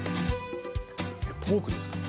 ポークですかね？